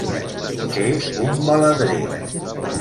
Ser un baladrer.